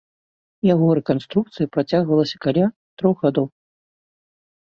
Яго рэканструкцыя працягвалася каля трох гадоў.